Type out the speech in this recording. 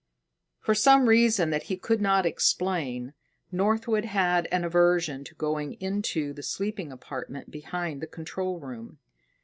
For some reason that he could not explain, Northwood had an aversion to going into the sleeping apartment behind the control room.